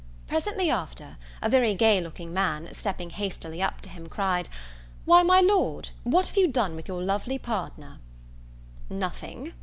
Presently after, a very gay looking man, stepping hastily up to him cried, "Why, my Lord, what have you done with your lovely partner?" "Nothing!"